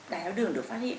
tài thao đường được phát hiện